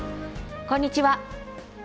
こんにちは。